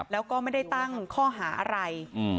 แล้วก็ไม่ได้ตั้งข้อหาอะไร